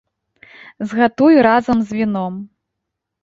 Згатуй разам з віном.